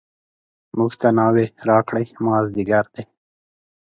موږ ته ناوې راکړئ مازدیګر دی.